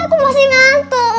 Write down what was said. aku masih ngantuk